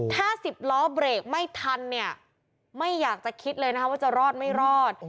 ถ้า๑๐ล้อเบรกไม่ทันเนี่ยไม่อยากจะคิดเลยนะคะว่าจะรอดไม่รอด